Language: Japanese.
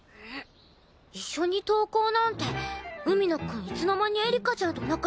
一緒に登校なんて海野くんいつの間にエリカちゃんと仲良くなったの？